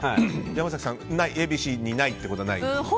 山崎さん、Ａ、Ｂ、Ｃにないってことはないですか？